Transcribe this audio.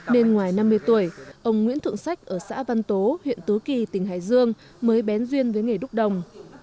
nên ngoài năm mươi tuổi ông nguyễn thượng sách ở xã văn tố huyện tứ kỳ tỉnh hải dương mới bén duyên với nghề đúc đồng